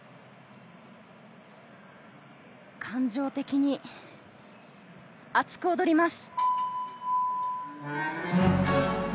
感情的に熱く踊ります。